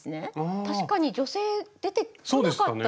確かに女性出てこなかったですね。